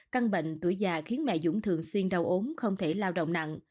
căn bệnh tuổi già khiến mẹ dũng thường xuyên đau ốm không thể lao động nặng